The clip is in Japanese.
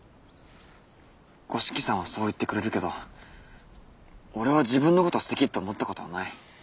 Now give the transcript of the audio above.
五色さんはそう言ってくれるけど俺は自分のことすてきって思ったことはない。